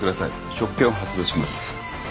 職権を発動します。